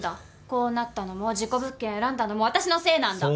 こうなったのも事故物件選んだのも私のせいなんだ。